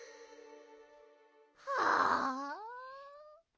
はあ。